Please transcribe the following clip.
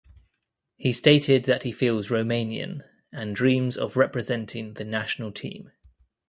He stated that he feels Romanian and dreams of representing the national team.